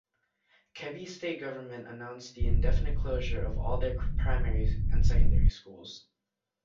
Kebbi State government announced the indefinite closure of all their primary and secondary schools.